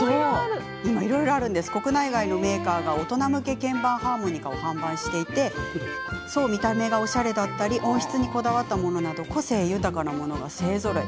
今、国内外のメーカーが大人向け鍵盤ハーモニカを販売していて見た目がおしゃれなものや音質にこだわったものなど個性豊かなものが勢ぞろい。